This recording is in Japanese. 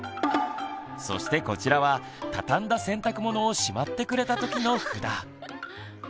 そしてこちらは畳んだ洗濯物をしまってくれたときの札。